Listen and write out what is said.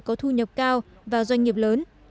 có thu nhập cao và doanh nghiệp lớn